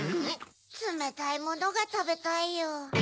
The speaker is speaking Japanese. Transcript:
つめたいものがたべたいよ。